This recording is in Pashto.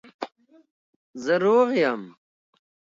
زه روغ یم